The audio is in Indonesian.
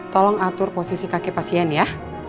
tolong atur posisi kaki pasien ya